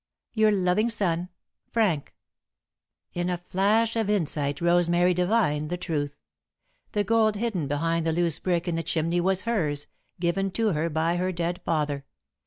"Your loving son, "Frank." [Sidenote: The Truth of the Matter] In a flash of insight Rosemary divined the truth. The gold hidden behind the loose brick in the chimney was hers, given to her by her dead father.